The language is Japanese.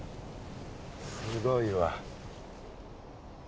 すごいわ。